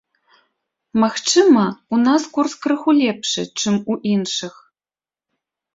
Магчыма, у нас курс крыху лепшы, чым у іншых.